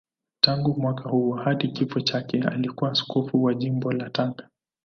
Tangu mwaka huo hadi kifo chake alikuwa askofu wa Jimbo la Tanga.